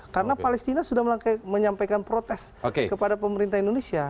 karena palestina sudah menyampaikan protes kepada pemerintah indonesia